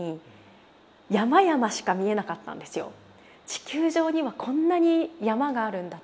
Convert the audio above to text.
地球上にはこんなに山があるんだと。